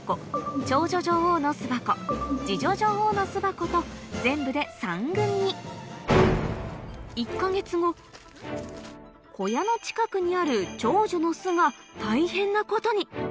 長女女王の巣箱二女女王の巣箱と全部で３群に小屋の近くにある長女の巣が大変なことに！